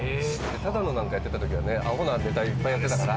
『只野』なんかやってた時はねアホなネタいっぱいやってたから。